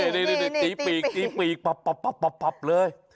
นี่ตีปีกปับเลย